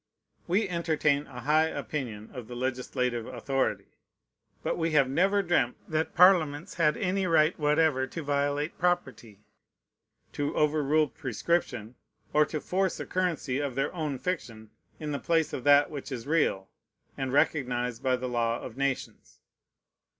We entertain a high opinion of the legislative authority; but we have never dreamt that Parliaments had any right whatever to violate property, to overrule prescription, or to force a currency of their own fiction in the place of that which is real, and recognized by the law of nations.